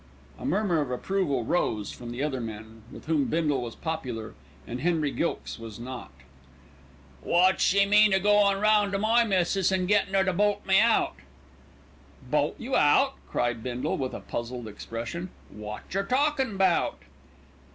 A murmur of approval rose from the other men, with whom Bindle was popular and Henry Gilkes was not. "Wot's she mean a goin' round to my missis an' gettin' 'er to bolt me out?" "Bolt you out!" cried Bindle, with a puzzled expression. "Wotjer talkin' about?"